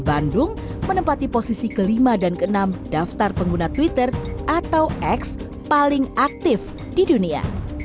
bandung menempati posisi kelima dan ke enam daftar pengguna twitter atau x paling aktif di dunia